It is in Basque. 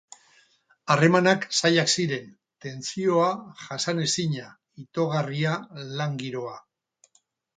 Harremanak zailak ziren, tentsioa jasanezina, itogarria lan giroa.